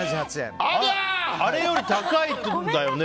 あれより高いんだよね